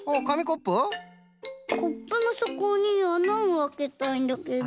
コップのそこにあなをあけたいんだけど。